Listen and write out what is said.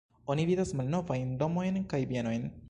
Oni vidas malnovajn domojn kaj bienojn.